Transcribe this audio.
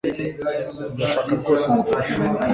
Ndashaka rwose gufasha